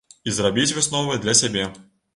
І зрабіць высновы для сябе.